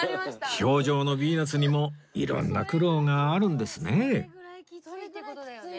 氷上のビーナスにも色んな苦労があるんですね